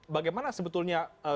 bagaimana sebetulnya secara apa ya